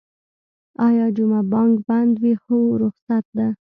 ایا جمعه بانک بند وی؟ هو، رخصت ده